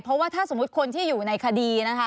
เพราะว่าถ้าสมมุติคนที่อยู่ในคดีนะคะ